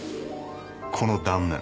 この断面。